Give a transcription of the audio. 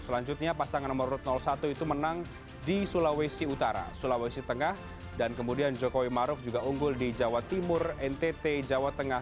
selanjutnya pasangan nomor satu itu menang di sulawesi utara sulawesi tengah dan kemudian jokowi maruf juga unggul di jawa timur ntt jawa tengah